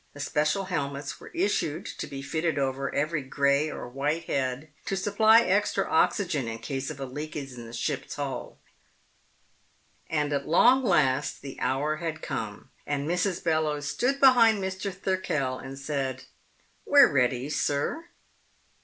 The special helmets were issued to be fitted over every gray or white head to supply extra oxygen in case of a leakage in the ship's hull, and at long last the hour had come and Mrs. Bellowes stood behind Mr. Thirkell and said, "We're ready, sir."